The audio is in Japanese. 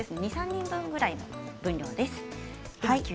２、３人分ぐらいの分量です。